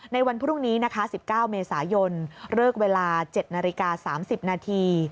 ในวันพรุ่งนี้นะคะ๑๙เมษายนเลิกเวลา๗นาฬิกา๓๐นาที